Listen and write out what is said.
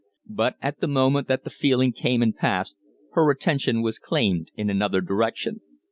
But, at the moment that the feeling came and passed, her attention was claimed in another direction.